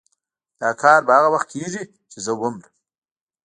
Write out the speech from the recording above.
دا کار به هغه وخت کېږي چې زه ومرم.